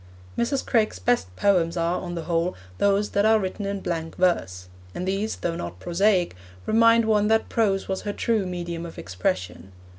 Mrs. Craik's best poems are, on the whole, those that are written in blank verse; and these, though not prosaic, remind one that prose was her true medium of expression.